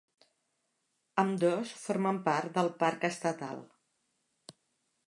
Ambdós formen part del parc estatal.